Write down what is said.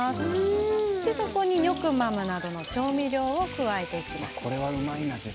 そこにニョクマムなどの調味料を加えます。